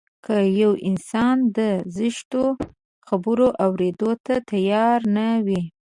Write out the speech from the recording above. که يو انسان د زشتو خبرو اورېدو ته تيار نه وي.